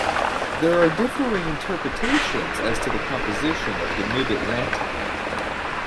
There are differing interpretations as to the composition of the Mid-Atlantic.